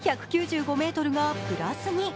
１９５ｍがプラスに。